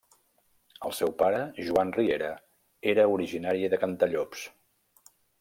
El seu pare, Joan Riera, era originari de Cantallops.